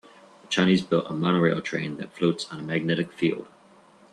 The Chinese built a monorail train that floats on a magnetic field.